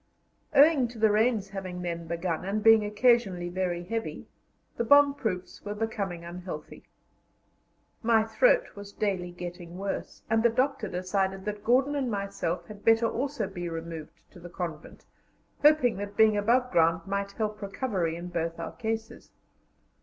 Owing to the rains having then begun, and being occasionally very heavy, the bomb proofs were becoming unhealthy. My throat was daily getting worse, and the doctor decided that Gordon and myself had better also be removed to the convent, hoping that being above ground might help recovery in both our cases.